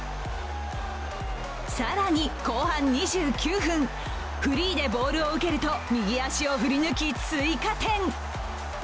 更に後半２９分フリーでボールを受けると右足を振り抜き追加点。